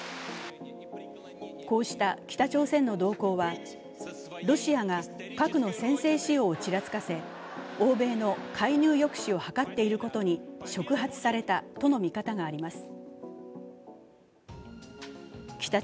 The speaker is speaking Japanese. こうした北朝鮮の動向は、ロシアが核の先制使用をちらつかせ欧米の介入抑止を図っていることに触発されたとの見方があります。